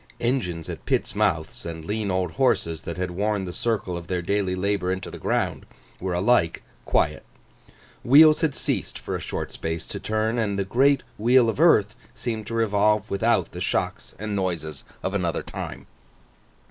Engines at pits' mouths, and lean old horses that had worn the circle of their daily labour into the ground, were alike quiet; wheels had ceased for a short space to turn; and the great wheel of earth seemed to revolve without the shocks and noises of another time.